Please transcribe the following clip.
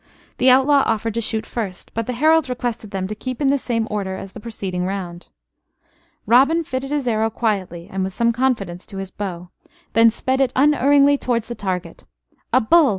The outlaw offered to shoot first; but the heralds requested them to keep in the same order as in the preceding round. Robin fitted his arrow quietly and with some confidence to his bow, then sped it unerringly towards the target. "A bull!